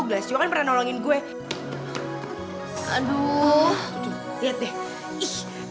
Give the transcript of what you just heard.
glassio kan pernah nolongin gue aduh lihat deh